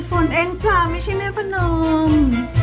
ใส่ฝนเอ็งจ้าไม่ใช่แม่พะนม